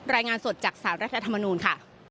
รายงานสดจากสารรัฐรัฐมนุนต์